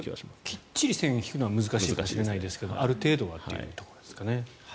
きっちり線を引くのは難しいかもしれませんがある程度はというところですね。